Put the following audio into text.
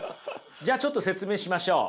じゃあちょっと説明しましょう。